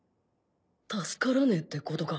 助からねえってことか？